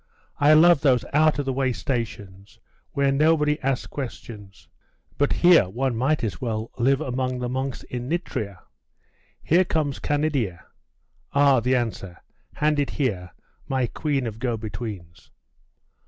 I love those out of the way stations, where nobody asks questions: but here one might as well live among the monks in Nitria. Here comes Canidia! Ah, the answer? Hand it here, my queen of go betweens!